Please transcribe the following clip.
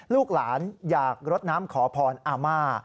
ลูกหลานอยากรดน้ำขอพรอาม่า